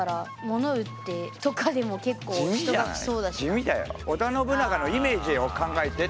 地味だよ。